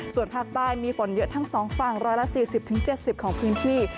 ส่วนภาคใต้มีฝนเยอะทั้ง๒ฝั่ง๑๔๐๗๐ของพื้นที่